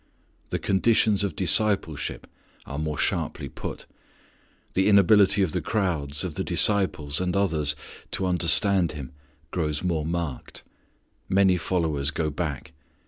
The conditions of discipleship are more sharply put. The inability of the crowds, of the disciples, and others to understand Him grows more marked. Many followers go back.